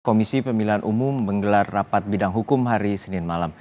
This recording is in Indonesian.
komisi pemilihan umum menggelar rapat bidang hukum hari senin malam